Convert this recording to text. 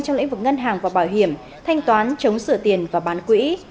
trong lĩnh vực ngân hàng và bảo hiểm thanh toán chống sửa tiền và bán quỹ